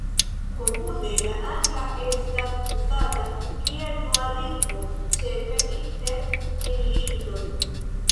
Komune, la angla estas uzata kiel dua lingvo, ĉefe inter enmigrintoj.